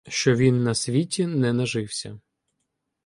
Що він на світі не нажився